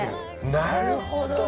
なるほどね。